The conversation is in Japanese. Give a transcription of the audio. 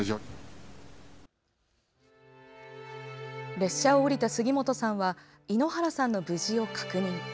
列車を降りた杉本さんは猪原さんの無事を確認。